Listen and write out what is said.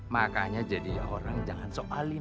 makanya jadi orang jangan soalin